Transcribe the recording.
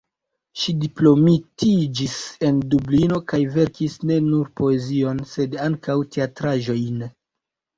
Ŝi diplomitiĝis en Dublino, kaj verkis ne nur poezion, sed ankaŭ teatraĵojn.